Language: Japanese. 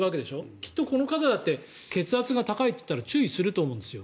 きっとこの方だって血圧が高いっていったら注意すると思うんですよ。